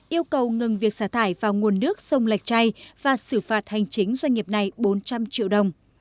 yêu cầu ngừng việc xả thải vào nguồn nước sông lạch chay và xử phạt hành chính doanh nghiệp này bốn trăm linh triệu đồng